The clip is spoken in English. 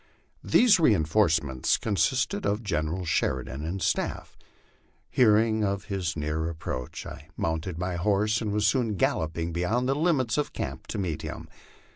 These reinforcements consisted of General Sheridan and staff. Hearing of his near approach, I mounted my horse and was soon galloping beyond the limits of camp to meet him.